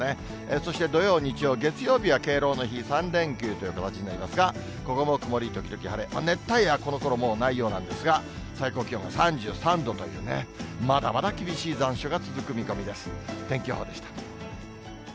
そして土曜、日曜、月曜日の敬老の日、３連休という形になりますが、ここも曇り時々晴れ、熱帯夜はこのころ、もうないようなんですが最高気温が３３度というね、まだまだ厳し「キュキュット」あれ？